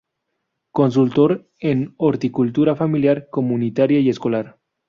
Consultor en horticultura familiar, comunitaria y escolar.